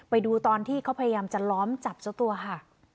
ไปดูตอนที่เขาพยายามจะล้อมจับเจ้าตัวค่ะ